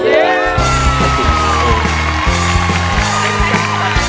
ขอบคุณครับ